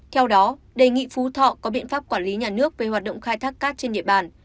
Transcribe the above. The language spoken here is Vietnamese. theo đó đề nghị phú thọ có biện pháp quản lý nhà nước về hoạt động khai thác cát trên địa bàn